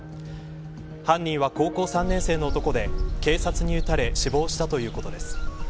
犯人は高校３年生の男で警察に撃たれ死亡したということです。